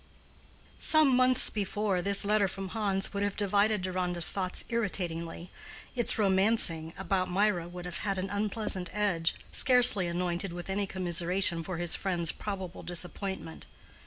Some months before, this letter from Hans would have divided Deronda's thoughts irritatingly: its romancing, about Mirah would have had an unpleasant edge, scarcely anointed with any commiseration for his friend's probable disappointment.